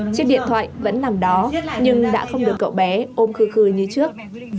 chiếc điện thoại vẫn nằm đó nhưng đã không được cậu bé ôm cười cười như trước